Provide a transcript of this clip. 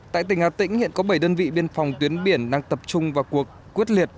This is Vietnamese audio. tại tỉnh hà tĩnh hiện có bảy đơn vị biên phòng tuyến biển đang tập trung vào cuộc quyết liệt